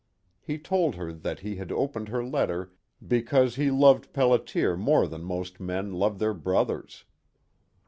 He told her that he had opened her letter because he loved Pelliter more than most men loved their brothers.